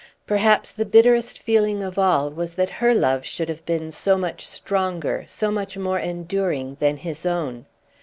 Perhaps the bitterest feeling of all was that her love should have been so much stronger, so much more enduring than his own.